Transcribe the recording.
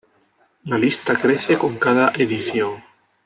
La lista crece con cada edición.